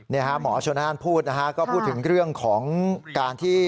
นี่ครับหมอชนานพูดนะครับก็พูดถึงเรื่องของการที่